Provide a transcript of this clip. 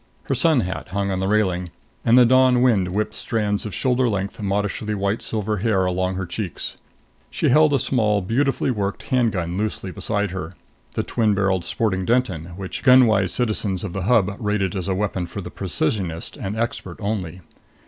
Her sun hat hung on the railing, and the dawn wind whipped strands of shoulder length, modishly white silver hair along her cheeks. She held a small, beautifully worked handgun loosely beside her the twin barrelled sporting Denton which gunwise citizens of the Hub rated as a weapon for the precisionist and expert only.